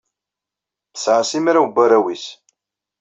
Tesɛa simraw n warraw-nnes.